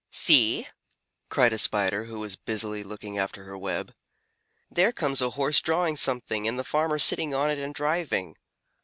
"See!" cried a Spider who was busily looking after her web, "there comes a Horse drawing something, and the farmer sitting on it and driving."